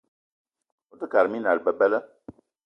Ote kate minal bebela.